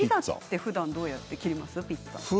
ふだんはどうやって切っていますか？